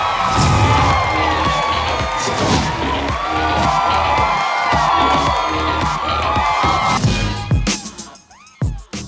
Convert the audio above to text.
กลาง